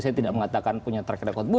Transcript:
saya tidak mengatakan punya track record boo